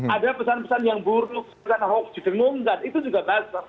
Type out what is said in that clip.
ada pesan pesan yang buruk karena hoax didengungkan itu juga bazar